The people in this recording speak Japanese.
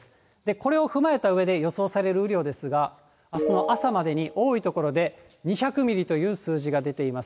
これを踏まえたうえで予想される雨量ですが、あすの朝までに多い所で、２００ミリという数字が出ています。